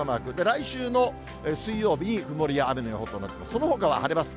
来週の水曜日に曇りや雨の予報となって、そのほかは晴れます。